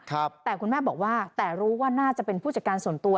แต่คุณแม่บอกว่าแต่รู้ว่าน่าจะเป็นผู้จัดการส่วนตัว